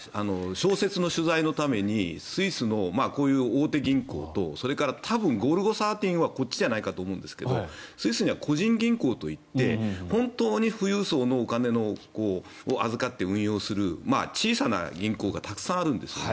小説の取材のためにスイスのこういう大手銀行と多分、「ゴルゴ１３」はこっちじゃないかと思うんですがスイスには個人銀行といって本当に富裕層のお金を預かって運用する小さな銀行がたくさんあるんですよね。